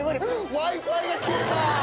Ｗｉ−Ｆｉが切れた！